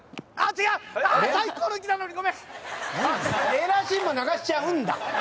エラーシーンも流しちゃうんだ。